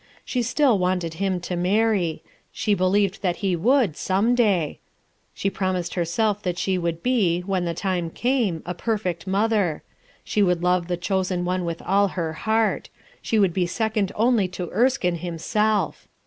She still wanted him to marry; she believed that he would j some day. She promised herself that she would be, when the time came, a perfect mother. She would love the chosen one with all her heart; she should be second only to Erskinc himself.